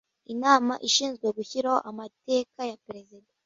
inama ishinzwe gushyiraho amateka ya perezida